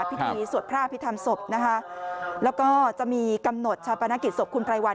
พิธีสวดพร่าพิธรรมศพแล้วก็จะมีกำหนดชาวประนักกิจศพคุณไตรวัล